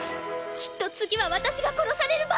きっと次は私が殺される番！